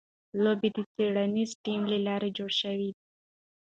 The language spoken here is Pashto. لوبه د څېړنیز ټیم له لوري جوړه شوې.